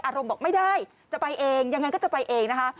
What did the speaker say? บอกไม่ได้จะไปเองยังไงก็จะไปเองนะคะ